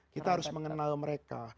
kita harus mengenal mereka